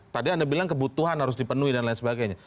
tadi anda bilang kebutuhan harus dipenuhi dan lain sebagainya